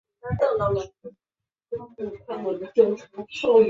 勒索莱。